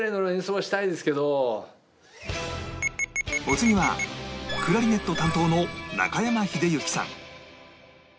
お次はクラリネット担当の中山秀征さん